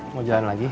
mau jalan lagi